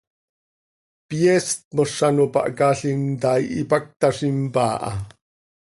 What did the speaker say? Pyeest mos z ano pahcaalim ta, ipacta z impaa ha.